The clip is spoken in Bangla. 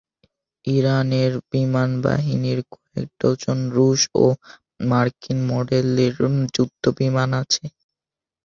ইরানের বিমানবাহিনীর কয়েক ডজন রুশ ও মার্কিন মডেলের যুদ্ধবিমান আছে।